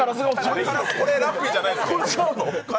これ、ラッピーじゃないですね。